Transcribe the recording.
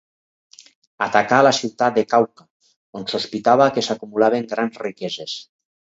Atacà la ciutat de Cauca, on sospitava que s'acumulaven grans riqueses.